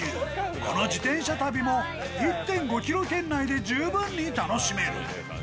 この自転車旅も１．５ｋｍ圏内で十分に楽しめる。